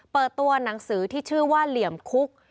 เปิดตัวหนังสือที่ชื่อว่าเหลี่ยมคุก